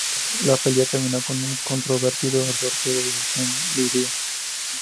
La pelea terminó en un controvertido sorteo de decisión dividida.